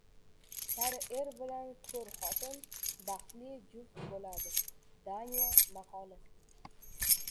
Kar er bilan ko‘r xotin baxtli juft bo‘ladi. Daniya maqoli